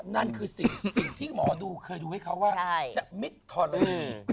นั่นคือสิ่งที่หมอนุเคยดูให้เขาว่าจะมิทรณี